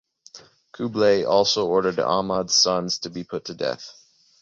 Kublai also ordered Ahmad's sons to be put to death.